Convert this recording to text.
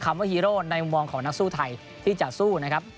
คำว่าฮีโร่ในมุมมองของนักสู้ไทยที่จะสู้นะครับ